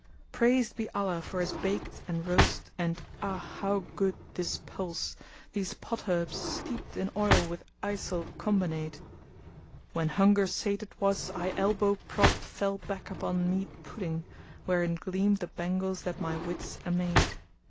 Praised be Allah for His baked and roast and ah! how good * This pulse, these pot herbs steeped in oil with eysill combinate! When hunger sated was, I elbow propt fell back upon * Meat pudding[FN#241] wherein gleamed the bangles that my wits amate.